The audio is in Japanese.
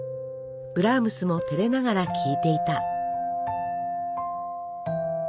ブラームスも照れながら聞いていた」。